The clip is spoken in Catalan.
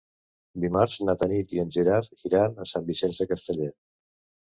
Dimarts na Tanit i en Gerard iran a Sant Vicenç de Castellet.